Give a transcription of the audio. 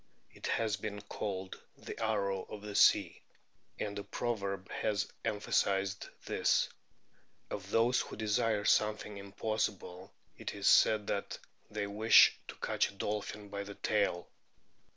It has been called "the arrow of the sea," and a proverb has emphasised this : Of those who desire something impossible it is said that they wish to catch a dolphin by the tail.